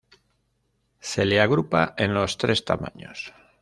Se le agrupa en los tres tamaños.